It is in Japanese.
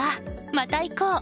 また行こう！